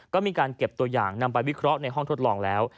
ก็มีการเก็บตัวอย่างนำไปวิเคราะห์ในห้องทดลองแล้ว